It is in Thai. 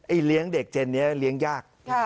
เลี้ยงเด็กเจนนี้เลี้ยงยาก